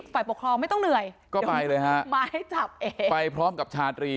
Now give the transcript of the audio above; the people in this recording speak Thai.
ฝ่ายปกครองไม่ต้องเหนื่อยก็ไปเลยฮะมาให้จับเองไปพร้อมกับชาตรี